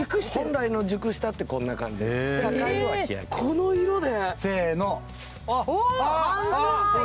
この色で。